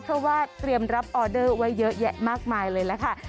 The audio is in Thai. เพราะว่าเตรียมรับออเดอร์ไว้เยอะแยะมากมายเลยล่ะค่ะ